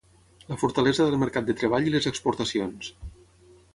la fortalesa del mercat de treball i les exportacions